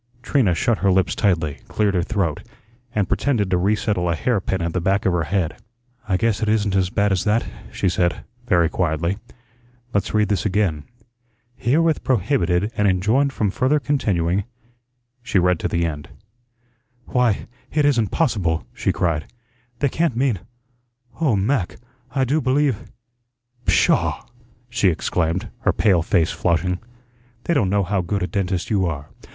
Trina shut her lips tightly, cleared her throat, and pretended to resettle a hair pin at the back of her head. "I guess it isn't as bad as that," she said, very quietly. "Let's read this again. 'Herewith prohibited and enjoined from further continuing '" She read to the end. "Why, it isn't possible," she cried. "They can't mean oh, Mac, I do believe pshaw!" she exclaimed, her pale face flushing. "They don't know how good a dentist you are.